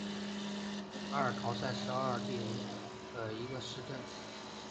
阿尔陶塞是奥地利施蒂利亚州利岑县的一个市镇。